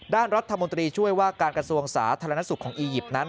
ด้านรัฐมนตรีช่วยว่าการกระทรวงสาธารณสุขของอียิปต์นั้น